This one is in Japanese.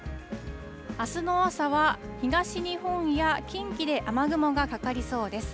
あすの朝は、東日本や近畿で雨雲がかかりそうです。